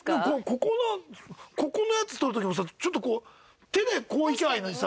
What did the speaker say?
ここのここのやつ取る時もさちょっとこう手でこういけばいいのにさ。